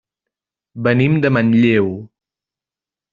Venim de Manlleu.